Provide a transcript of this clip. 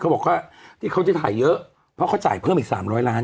เค้าบอกว่าเค้าจะถ่ายเยอะเพราะอาจจะจ่ายขึ้นแบบตั้งกว่า๓๐๐ล้าน